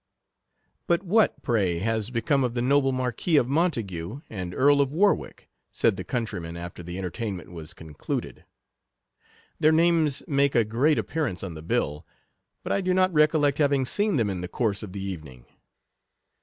But what, pray, has become of the noble Marquis of Montague, and Earl of Warwick? (said the countryman, after the entertain ment was concluded). Their names make a great appearance on the bill, but I do not re collect having seen them in the course of the evening.